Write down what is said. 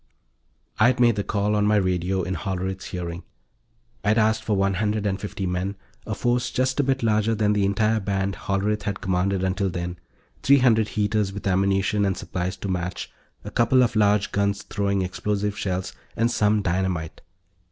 I'd made the call on my radio, in Hollerith's hearing. I'd asked for one hundred and fifty men a force just a bit larger than the entire band Hollerith had commanded until then three hundred heaters with ammunition and supplies to match, a couple of large guns throwing explosive shells, and some dynamite.